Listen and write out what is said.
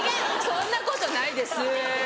そんなことないです。